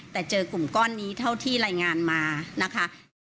แต่เจอกลุ่มก้อนนี้เท่าที่รายงานมานะคะ